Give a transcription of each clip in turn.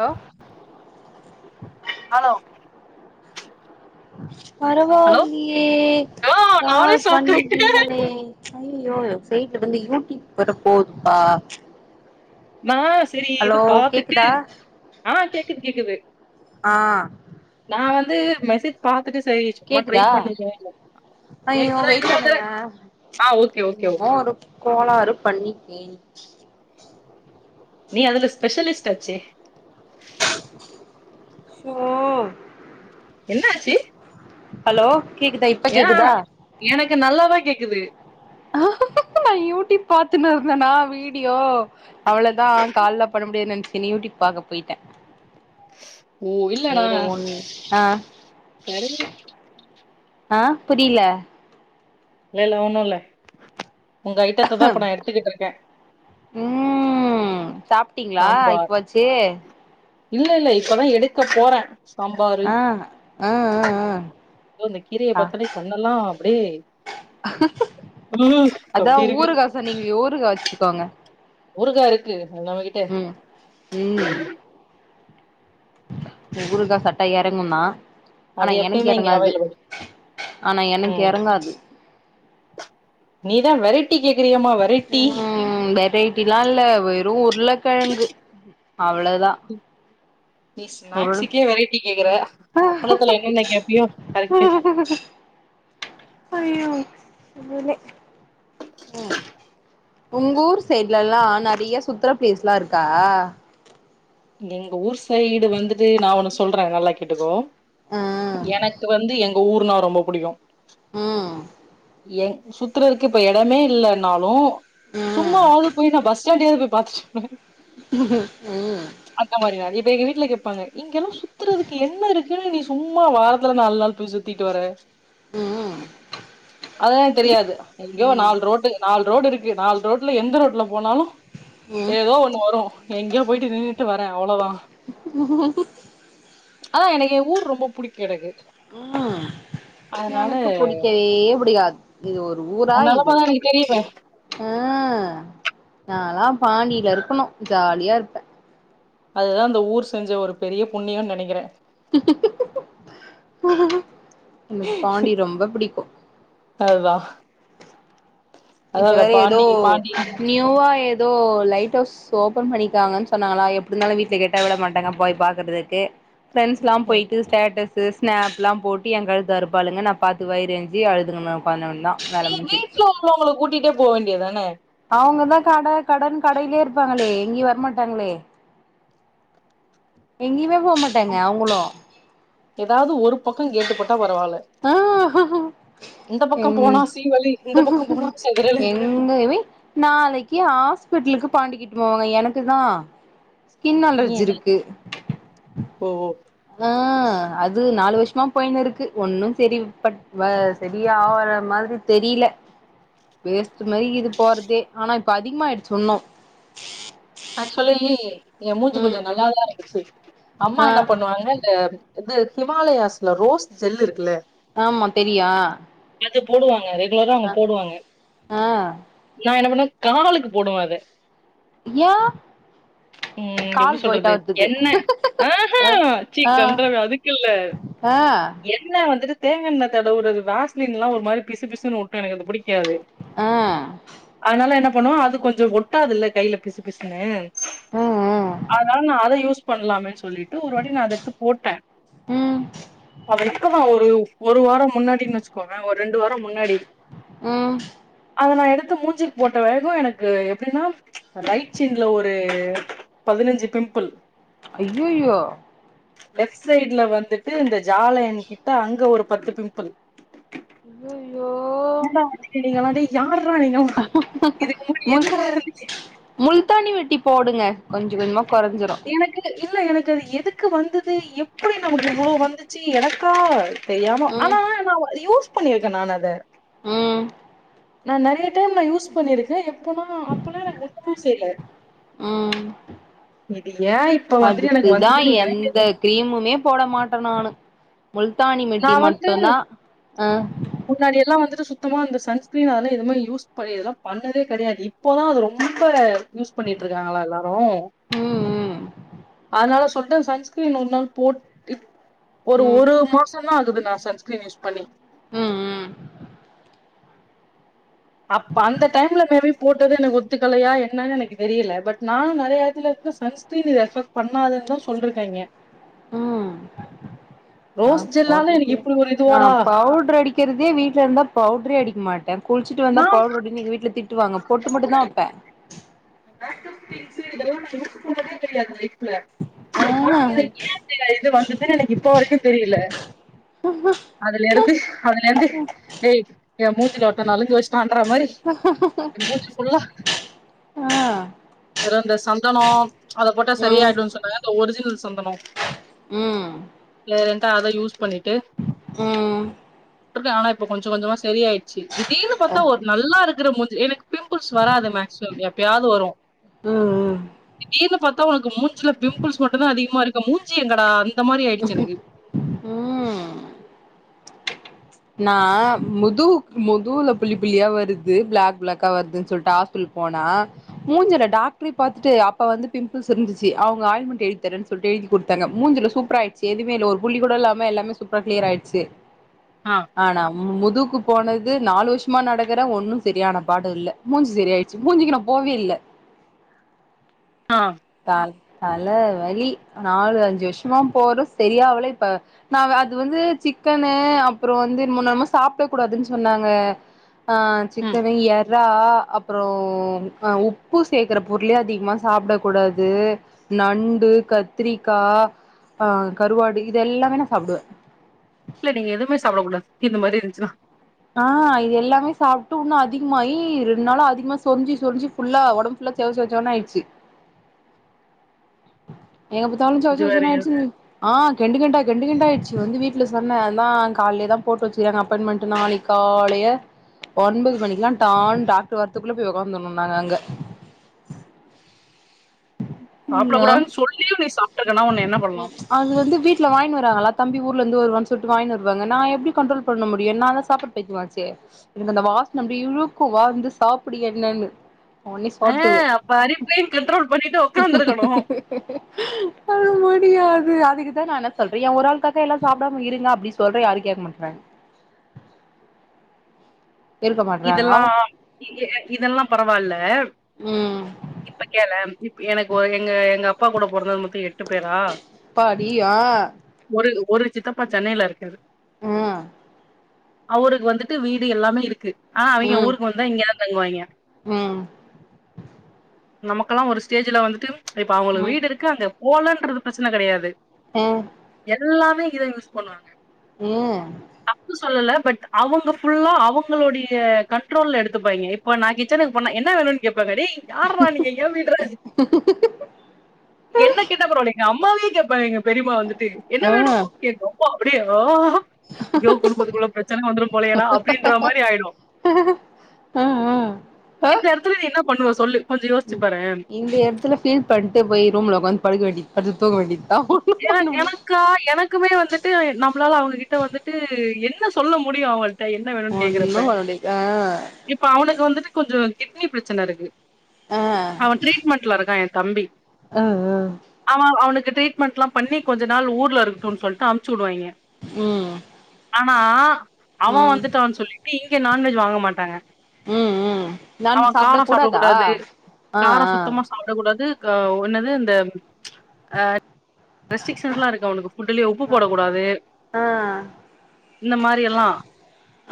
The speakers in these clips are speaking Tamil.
ஹலோ ஹலோ ஹலோ பரவாயில்லையே ஆ நானே கால் ஷாக்காயிட்டே பண்ணிட்டீங்களே ஐய்யயோ [unintelligible] வந்து யூடியூப் வேற போதுப்பா நா சேரி இது ஹலோ பாத்துட்டு கேக்குதா ஆ கேக்குது கேக்குது ஆ நா வந்து மெசேஜ் பாத்துட்டு செரி சும்மா ட்ரை கேக்குதா பண்ணுவோ ஐயோ கேக்குதா வெயிட் இன்னோர்தர பண்ணுங்களே ஆ ஓகே ஓகே என்னமோ ஓகே ஒரு கோளாறு பண்ணிக்கே நீ அதுல பெஷலிஸ்ட் ஆச்சே சோ என்னாச்சு ஹலோ கேக்குதா இப்ப ஏன் கேக்குதா எனக்கு நல்லாதா கேக்குது நா யூடியூப் பாத்துன்னுருந்தேனா வீடியோ அவ்ளதா கால்ல பண்ண முடியாது நெனச்சுட்டு யூடியூப் பாக்க போயிட்டே ஓ இல்லடா வேற ஒன் ஆ சரி ஆ புரியல இல்ல இல்ல ஒண்ணுல்ல உங்க ஐட்டத்ததா இப்ப நா எடுத்துக்கிட்ருக்கே ம் சாப்ட்டீங்களா சாம்பார் இப்ப வச்சு இல்ல இல்ல இப்பதா எடுக்க போறே சாம்பாரு ஆ ஆ ஆ ஆ யோ இந்த கீரைய ஆ பாத்தாலே கண்ணெல்லா அப்படியே ம் அப்டி இருக்கு அப்ப நீங்க ஊருகா வச்சிக்கோங்க ஊருகா இருக்கு நம்மகிட்ட ம் ம் ஊருகா சாப்டா எறங்குந்தா ஆனா அது எனக்கு எப்பயுமே இங்க எறங்காது அவைலபிள் ஆனா எனக்கு ம் எறங்காது நீதா வெரேட்டி கேக்கிறியேமா வெரேட்டி ம் வெரைட்டில்லா இல்ல வெறு உருளைக்கெழங்கு அவ்வளோதா நீ ஸ்நாக்ஸுக்கே வெரைட்டி கேக்குற அப்பளத்துல என்னன்ன கேப்பியோ கரக்கு தெரிய அய்யோ உண்மைலே அ ம் உங்க ஊர் சைடுலல்லா நெறைய சுத்தர ப்ளேஸ்லா இருக்கா எங்க ஊர் சைடு வந்துட்டு நா ஒண்ணு சொல்றே நல்லா கேட்டுக்கோ ம் எனக்கு வந்து எங்க ஊருனா ரொம்ப புடிக்கு ம் என் சுத்துரதுக்கு இப்ப எடமே இல்லனாலு ம் சும்மாவாது போய் நா பஸ் ண்டாடியாவது போய் பாத்துட் ம் அந்த மாதிரிதா இப்ப எங்க வீட்ல கேப்பாங்க இங்கெல்லா சுத்துறதுக்கு என்ன இருக்குன்னு நீ சும்மா வாரத்துல நாலு நாள் போய் சுத் சுத்திட்டு வர ம் அதல்லா தெரியாது எங்கோ ம் நாலு ரோட்டு நாலு ரோடு இருக்கு நாலு ரோட்ல எந்த ரட்ல போனாலு ம் ஏதோ ஒண்ணு வரு எங்கேயோ போயிட்டு நின்னு ட்டு வரே அவ்வளோதா அதா எனக்கு ஏ ஊர் ரொம்ப புடிக்கு எனக்கு ம் அதனால எனக்கு புடிக்கவே பிடிக்காது இது ஒரு ஊரா உன் இது நெலமதான் எனக்கு தெரியுமே ம் நால்லா பாண்டியில இருக்கணு ஜாலியா இருப்பே அதுதா அந்த ஊர் செஞ்ச ஒரு பெரிய புண்ணியம்னு நெனைக்கிறே எனக்கு பாண்டி ரொம்ப பிடிக்கு அதுவா இப்ப வேற ஏதோ பாண்டினு நெனச்சிருக்கோம் நியூவா ஏதோ லைட் ஹவுஸ் சோ ஓப்பன் இருக்காங்கனு சொன்னாங்களா எப்டி இருந்தாலு வீட்ல கேட்டா விட மாட்டாங்க போய் பாக்குறதுக்கு பிரண்ட்ஸ்ல்லா ம் போய்ட்டு ஸ்டேட்டஸ் து ஸ்னாப்ல்லா போட்டு ஏ கழுத்த அறுப்பாலுங்க நா பாத்து வயிறு எரிஞ்சி அழுதுணு உக்காந்துக்குவந்த நீ வீட்டுல உள்ளவங்கள கூட்டிட்டு போக வேண்டியதுதனே அவுங்கதா கட கடன்னு கடையிலயே இருப்பாங்களே எங்கேயு வரமாட்டாங்களே எங்கேயுமே போக மாட்டாங்க அவுங்களு ஏதாவது ஒரு பக்கம் கேட்டு போட்டா பரவாயில்ல ஆ எங் போனா சீவலி இந்த பக்கம் போனா செதறலு எங்கயுமே நாளைக்கு ஹாஸ்பிட்டலுக்கு பாண்டிக்கிட்டு போவாங்க எனக்கு தா ஸ்கின் நீ அலர்ஜி என்னக்கி இருக்கு ஓ ஓ ஆ அது நாலு வருஷமா போய்ன்னு இருக்கு ஒன்னு செரி பட் வ செரி ஆவுர மாதிரி தெரில வேஸ்ட் மாதிரி கிது போறதே ஆனா இப்ப அதிகமாயிடுச்சு இன்னு ஆக்சுவலி ஏ மூஞ்சு கொஞ்ச ம் நல்ல தா இருந்துச்சு அம்மா ஆ என பண் ணுவாங்க இந்த இது ஹிமாலயாஸ்ல ரோஸ் ஜெல்லு இருக்குல்ல ஆமா தெரியு அது போடுவாங்க ரெகுலரா அவுங்க போடுவாங்க ஆ நா என பண்ணுவே காலுக்கு போடுவே அத ஏ ம் எப்டி கால் போயிட்டா சொல்றது அவர்துக்கு என்ன ஆ அ ஆ சீ கன்றாவி அதுக் குல ஆ என் இல்ல வந்துட்டு தேங்கண்ணெல தடவுறது வாசலின்லா ஒரு மாரி பிச பிசு ஒட்டு எனக்கு அது புடிக் காது ஆ அதனால என்ன பண்ணுவோ அது கொஞ்சோ ஒட்டாதுல்ல கையில பிசு பிசுன்னு ம் அதனால நா அத யூஸ் பண்லாமே சொல்லிட்டு ஒரு வாட்டி நா அத எடுத்து போட்டே ம் அது இப்ப தா ஒரு ஒரு வாரோ முன்னாடி வச்சுக்கோங்க ஒரு ரெண்டு வாரோ முன்னாடி ம் அத நா எடுத்து மூஞ்சுக்கு போட்ட வேகோ எனக்கு எப்டின்னா ரைட் இச்சின்ல ஒரு பதினஞ்சு பிம்பிள் ஐய்யயோ லெப்ட் சைட்ல வந்துட்டு இந்த ஜாலன் கிட்ட அங்க ஒரு பத்து பிம்பிள் ஐய்யயோ ஏடா நீங்க நீங்களா டேய் யாறா நீங்களா இதுக்கு முன்னாடி முல் எங்கடா இருந்திங்க முல்தானி மெட்டி போடுங்க கொஞ்ச கொஞ்சமா கொறஞ்சிடு க்கு இல்ல எனக்கு அது எதுக்கு வந்தது எப்புடி நமக்கு இவ்ளோ வந்துச்சு எனக்கா தெரியாம ம் ஆனா நா யூஸ் பண்ணியிருக்கே நான் அத ம் நா நெறைய டைம் நா யூஸ் பண்ணிருக்கே எப்பனா அப்பனா எதுவும் செய்ல ம் இது ஏ இப்ப வந்துட்டு எனக்கு அதுக்குதா வந்ததுன்னு எனக்கே எந்த தெரி கிரீமுமே போட மாட்டே நானு முல்தானி மெட்டி மட்டும் தா அ முன்னாடிலா வந்துட்டு சுத்தமா இந்த சன்ஸ்கிரீன் அதல்லா எதுவுமே யூஸ் பண்ணி இதெல்லா பண்ணதே கிடையாது இப்போதா அது ரொம்ப யூஸ் பண்ணிட்டு இருக்காங்களா எல்லா ப்றோ ம் அதனால சொலிட்டு சன்ஸ்கிரீன் ஒரு நாள் போட் ட் ஒரு ம் ம் ஒரு மாசோ தா ஆகுது நா சன்ஸ்கிரீன் யூஸ் பண்ணி ம் அப்ப அந்த டைம்ல மேபி போட்டது எனக்கு ஒத்துக்கலையா என்னனு எனக்கு தெரியல பட் நானு நெறைய இடத்துல இருந்து சன்ஸ் ட்டு ரேஃபர் பண்ணாதுன்னு தா சொல்லிருக்காங்கய் ம் நா ரோஸ் ஜெல்லால எனக்கு போடுறது இப்டி ஒரு நா இதுவாடா பவுடர் அடிக் க்கிறதே வீட்ல இருந்தா பவுடுரே அடிக்க மாட்டே குளிச்சுட்டு வந்தா நா பவுடுர் அடினு எங்க வீட்ல திட்டுவாங்க பொட்டு மட்டுந்தா வெப்பே மேக்கப் திங்ஸு இதெல்லா நா யூஸ் பண்ணதே கெடையாது லைஃப்ல ஆனா ஆ எனக்கு ஏ இப்டி இது வந்தது எனக்கு இப்போ வரைக்குந் தெரியில [inaudible] அதுலேருந்து அதுலேந்து ஏய் எ மூஞ்சுல ஒருத்த நலுங்கு வெச் டான்ற மாரி எ மூஞ்சி ஃபுல்லா ஆ வேற இந்த சந்தனோ அதப் போட்டா ம் செரியாயிடுன் சொன்னாங்க இந்த ஒரிஜினல் சந்தனோ ம் [unintelligible] அத யூஸ் பண்ணிட் ட்டு ம் டிருக்கே ஆனா இப்ப கொஞ்சோ கொஞ்சமா செரியாயிட் சி திடீர்னு பாத்தா ஒரு நல்லா இருக்கிற முஞ்சி எனக்கு பிம்பிள்ஸ் வராது மேக்சிமம் எப்பியாது வரு ம் ம் திடீர்னு பாத்தா ஒனக்கு மூஞ்சுலப் பிம்பிள்ஸ் மட்டுந்தா அதிகமா இருக்க மூஞ்சி எங்கடா அந்த மாரி ஆயிடுச்சு எனக்கு ம் நா முதுவுக் முதுவுலப் புள்ளி புள்ளியா வருது பிளாக் பிளாக்கா வருதுன் சொல்ட்டு ஹாஸ் பில் போனா மூஞ்சில டாக்ட்ரேப் பாத்துட்டு அப்ப வந்து பிம்பிள்ஸ் இருந்துச்சி அவுங்க ஆயில்மெண்ட் எழுத்தரன்ச் சொல்ட்டு எழுதி குட்த்தங்க மூஞ்சில சூப்பராயிட்ச்சி எதுமே இல்ல ஒரு புள்ளி கூட இல்லாம எல்லாமே சூப்பரா கிளியராயிட்ச்சி ஆ ஆனா முதுவுக்குப் போனது நாலு வருஷமா நடகற ஒன்னும் செரியானப் பாடு இல்ல மூஞ்சி செரி ஆயிட்ச்சி மூஞ்சிகி நாப் போவே இல்ல ஆ த தல வலி நாலு அஞ்சு வஷமாம் போற செரியாவல இப்ப நாவ அது வந்து சிக்கனு அப் அப்றோ வந்து என்மோனமோ சாப்ட கூடாதுன் சொன்னாங்க அ ம் சிக்கனு எற் றா அப்பறோ உப்பு அ சேக்கறப் பொருளே அதிகமா சாப்ட கூடாது நண்டு கத்ரிக்கா ஆ கருவாடு இது எல்லாமே நா சாப்டுவே இல்ல நீங்க எதுமே சாப்ட கூடா இந்த மாரி இருந்ச்சினா ஆ இது எல்லாமே சாப்ட்டு வுன்னு அதிகமாயி ரெண் நாளா அதிகமா சொரிஞ்சி சொரிஞ்சி ஃபுல்லா ஒடம் ஃபுல்லா செவ செவ செவனாயிட்ச்சி எங்க பத்தாலு செவ இது செவ வேறயா செவனாயிட்ச்சின் ஆ கெண்டு கெண்டா கெண்டு கெண்டா ஆயிட்ச்சி வந்து வீட்ல சொன்னே அந்தா கால்லியேதாம் போட்டு வெச்சிகிறாங்க அப்பாயின்மெண்ட்டு நாளைக் காலைய ஒன்பது மணிக்லா டான் டாக்ட்ரு வரத்துக்குள்ள போய் ஒக்காந்துன்னு நாங்க அங்க சாப்ட ஐயோ கூடாதுன் சொல்லியு நீ சாப்ட்ருக்கனா உன்ன என்ன பண்லா அது வந்து வீட்ல வாய்னு வாரங்களா தம்பி ஊர்லந்து வருவான் சொல்ட்டு வாய்னு வருவாங்க நா எப்டி கண்ட்ரோல் பண்ண முடியு நா அதா சாப்புட் பைத்மாச்சே எனக்கு அந்த வாச்ன அப்டி இழுக்கு வா இந்து சாப்டு என்னனனு அ அப்ப அரிப்பையுங் கண்ட்ரோல் பண்ணிட்டு ஒக் அது முடியாது அதுகுதா நா என்ன சொல்றே எ ஒரு ஆள்க்காக எல்லா சாப்டாம இருங்க அப்டிச் சொல்றே யாரு கேக்க மாட்றாங் இருக்க மாட்றாங்க இதெல்லா அவ் இதெல்லாம் பரவால்ல ம் இப்ப கேளே எனக்கு ஒ எங்க எங்க அப்பா கூட பொறந்தது மொத்தோ எட்டு பேரா அப்பாடியா ஒரு ஒரு சித்தப்பா சென்னைல இருக்காரு ம் அ அவுருக்கு வந்துட்டு வீடு எல்லாமே இருக்கு ஆ அவிங்க ம் ஊருக்கு வந்தா இங்கேதா தங்குவாய்ங்கே ம் நமக்கல்லா ஒரு ஸ்டேஜுல வந்துட்டு இப்ப அவுங்களுக்கு ம் வீடு இருக்கு அங்க போலன்றது பிரச்சன கெடயாது ஆ எல்லாமே இங்க தா யூஸ் பண்வாங்க ஏ தப்பு சொல்லல பட் அவங்க ஃபுல்லா அவுங்களுடை ய கண்ட்ரோல்ல எடுத்துப்பாய்ங்க இப்ப நா கிச்சனுக்கு போனா என்ன வேணுன் கேப்பாங்க டேய் யார்ரா நீங்க எ வீட்ரா இது என்ன கேட்டா பரவால்ல எங்க அம் மாவே கேப்பாங்க எங்க பெரிம்மா வந்துட்டு என்ன ஆ வேணு எங்க அம்மா அப்டியா ஆ ஹா அய்யோ குடும்பத்துக்குள்ள பிரச்சன வந்துரு போலயேடா அப்டின்ற மாரி ஆய்ரு ஆ ஆ ஆ இந்த எடத்துல நீ என்ன பண்ணுவ சொல்லு கொஞ்ச யோசிச்சு பாரு இந்த எட்த்துல ஃபீல் பண்ட்டு போய் ரூம்ல ஒக்காந்து படுக்க வேண்டி படுத்து தூங்க வேண்டி [inaudible] க்கா எனக்குமே வந்துட்டு நம்ளால அவுங்ககிட்ட வந்துட்டு என்ன சொல்ல முடியு அவுங்கள் ட்ட என்ன வேணுன் ஒன்னு கேக்குறப்ப பண்ண முடியாது ஆ இப்ப அவனுக்கு வந்துட்டு கொஞ்சோ கிட்னி பிரச்சனருக்கு ஆ அவே ட்ரீட்மெண்ட்லருக்கா எ தம்பி ஆ ஆ அவே அவனுக்கு ட்ரீட் மெண்ட்லா பண்ணி கொஞ்ச நாள் ஊர்லருக்கட்டுன் சொல்ட்டு அம்ச்சுடுவாய்ங்க ம் ஆனா அவே ம் வந்துட்டான் சொல்லிட்டு இங்க நான்வெஜ் வாங்க மாட்டாங்க ம் ம் அவே நான்வெஜ் சாப்ட காரோ கூடாதா சாப்டக்கூடாது ஆ காரோ ஆ சுத்தமா சாப் ப்ட கூடாது க என்னது இந்த ஆ ரெஸ்ட்ரிக்ஷன்ஸ்லாருக்கு அவனுக்கு ஃபுட்டுலே உப்பு ஆ போடக்கூடாது ஆ இந்த மாரி எல்லா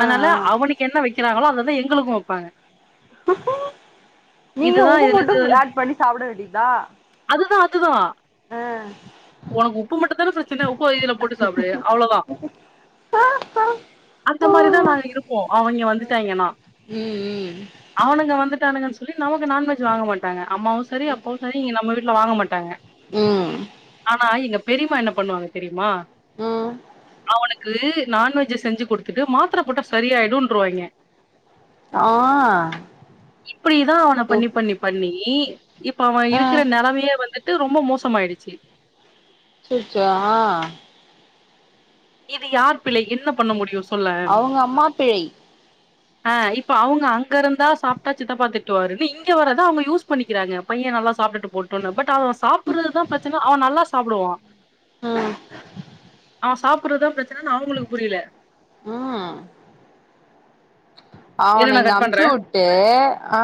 ஆ ஆனால ஆ அவனுக்கு என்ன வெக்கிறாங்களோ அத தா எங்ளுக்கு வப்பாங்க நீங்க இதுதா உப்பு இதுல மட்டு ஆட் பண்ணி சாப்ட வேண்டிதா அதுதா அதுதா ஆ ஒனக்கு உப்பு மட்டுந்தானே பிரச்சன உப்ப இதுல போட்டு சாப்புடு அவ்ளதா அந்த மாரிதா நாங்க இருப்போ அவய்ங்க வந்துட்டாய்ங்கன்னா ம் ம் அவனுங்க வந்துட்டானுங்கன் சொல்லி நமக்கு நான்வெஜ் வாங்க மாட்டாங்க அம்மாவு செரி அப்பாவு செரி இங்க நம்ம வீட்ல வாங்க மாட்டாங்க ம் ஆனா எங்க பெரிம்மா என்ன பண்ணுவாங்க தெரிமா ம் அவனுக்கு நான்வெஜ்ஜ செஞ்சு குடுத்துட்டு மாத்ர போட்டா சரியாய்டுன்ருவாய்ங்க ஆ இப்டிதா அவன பண்ணி சூப் பண்ணி பண்ணி இப்ப அவே ஆ இருக்குற நெலமையே வந்து ட்டு ரொம்ப மோசமாய்டுச்சி அச்சச்சோ ஆ இது யார் பிழை என்ன பண்ண முடியு சொல்லே அவங்க அம்மா பிழை ஆ இப்ப அவுங்க அங்கருந்தா சாப்ட்டா சித்தப்பா திட்டுவாருன் இங்க வரத அவுங்க யூஸ் பண்ணிக்கிறாங்க பையே நல்லா சாப்ட்டுட்டு போட்டுன்னு பட் அவே சாப்புறதுதா பிரச்சன அவே நல்லா சாப்டுவா ம் அவே சாப்புறதா பிரச்சனனு அவுங்களுக்கு புரில ம் இரு அவன நா இங்க கட் பண்றே அம்ச்சுட்டு ஆ